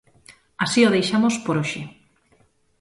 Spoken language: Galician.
Así o deixamos por hoxe.